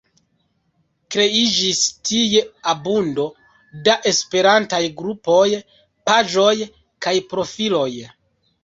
Kreiĝis tie abundo da Esperantaj grupoj, paĝoj kaj profiloj.